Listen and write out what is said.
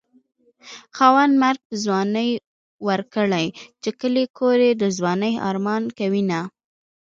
خاونده مرګ په ځوانۍ ورکړې چې کلی کور يې د ځوانۍ ارمان کوينه